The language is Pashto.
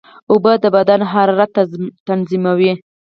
اوبه د بدن حرارت تنظیموي.